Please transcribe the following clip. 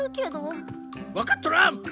わかっとらん！